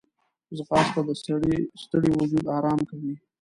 ځغاسته د ستړي وجود آرام کوي